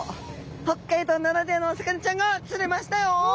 北海道ならではのお魚ちゃんが釣れましたよ。